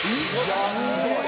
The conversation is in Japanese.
すごい！